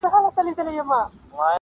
یوه بل ته به زړه ورکړي بې وسواسه -